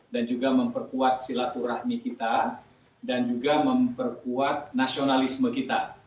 dan juga memperkuat silaturahmi kita dan juga memperkuat nasionalisme kita